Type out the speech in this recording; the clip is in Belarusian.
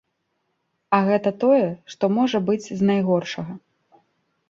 А гэта тое, што можа быць з найгоршага.